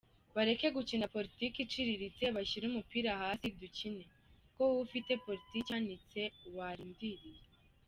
Bareke gukina Politiki iciriritse, bashyire umupira hasi dukine: Ko wowe ufite Politiki ihanitse, warindiriye